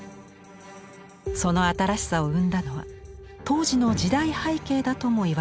その新しさを生んだのは当時の時代背景だともいわれています。